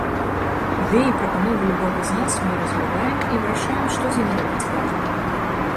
Ідэі, прапановы любога з нас мы разглядаем і вырашаем, што з імі рабіць далей.